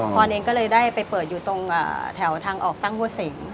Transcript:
ครอนเองได้ไปเปิดจากทางออกสร้างหัวสิง